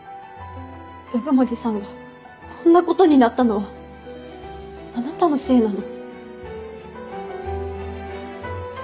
鵜久森さんがこんなことになったのはあなたのせいなの？